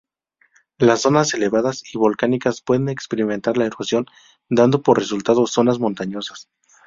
Las zonas elevadas y volcánicas pueden experimentar la erosión, dando por resultado zonas montañosas.